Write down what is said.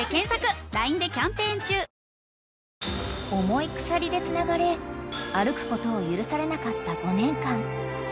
［重い鎖でつながれ歩くことを許されなかった５年間］